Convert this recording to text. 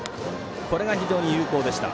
これが非常に有効でした。